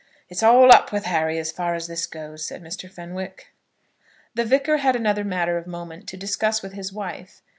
"It's all up with Harry as far as this goes," said Mr. Fenwick. The Vicar had another matter of moment to discuss with his wife.